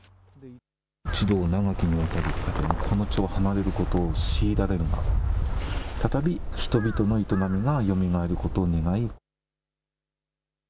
長きにわたり、この地を離れることを強いられるが、再び人々の営みがよみがえることを願い。